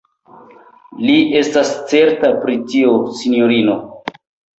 Li estas certa pri tio, sinjorino.